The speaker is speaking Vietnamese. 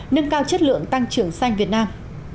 nâng cao chất lượng tăng trưởng xanh việt nam